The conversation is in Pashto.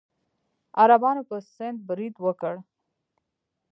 عربانو په سند برید وکړ.